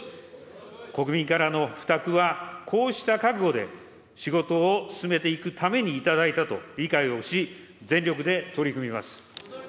国民からの負託は、こうした覚悟で仕事を進めていくために頂いたと理解をし、全力で取り組みます。